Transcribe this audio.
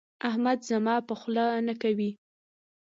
احمد زما په خوله نه کوي.